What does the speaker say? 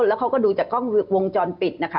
แล้วเขาก็ดูจากกล้องวงจรปิดนะคะ